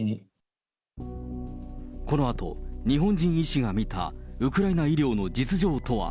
このあと、日本人医師が見たウクライナ医療の実情とは。